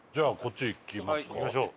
行きましょう。